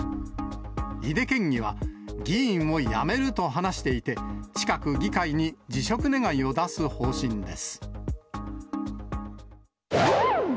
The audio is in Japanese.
井手県議は議員を辞めると話していて、近く、議会に辞職願を出す方針です。